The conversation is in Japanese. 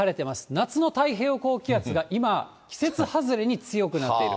夏の太平洋高気圧が今、季節外れに強くなっている。